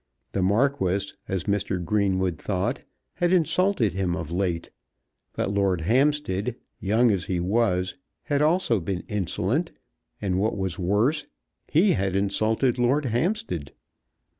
The Marquis, as Mr. Greenwood thought, had insulted him of late; but Lord Hampstead, young as he was, had also been insolent; and what was worse, he had insulted Lord Hampstead.